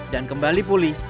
dan kembali pulih